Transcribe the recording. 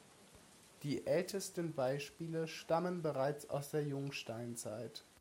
Die ältesten Beispiele stammen bereits aus der Jungsteinzeit.